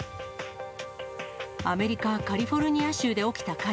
アメリカ・カリフォルニア州で起きた火事。